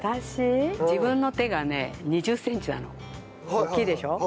大きいでしょ？